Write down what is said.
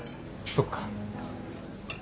そっか。